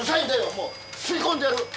もう吸い込んでやる！